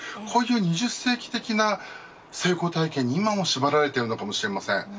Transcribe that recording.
こういった２０世紀的な成功体験に今も縛られているのかもしれません。